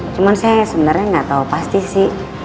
cuman saya sebenernya gak tau pasti sih